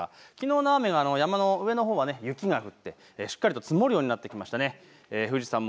きのうの雨は山の上のほうは雪が降ってしっかりと積もるようになってきました。